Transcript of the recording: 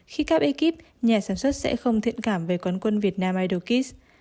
khi các ekip nhà sản xuất sẽ không thiện cảm về quán quân việt nam idol kids